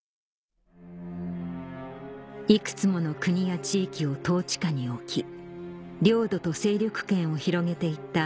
幾つもの国や地域を統治下に置き領土と勢力圏を広げて行った